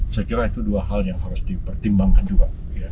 saya kira itu dua hal yang harus dipertimbangkan juga